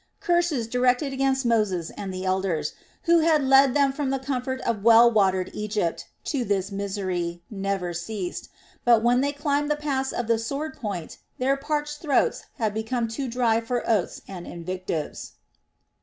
Curses directed against Moses and the elders, who had led them from the comfort of well watered Egypt to this misery, never ceased; but when they climbed the pass of the "Swordpoint" their parched throats had become too dry for oaths and invectives.